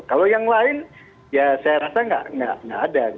kalau yang lain ya saya rasa tidak ada